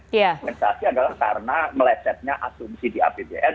kompensasi adalah karena melesetnya asumsi di apbn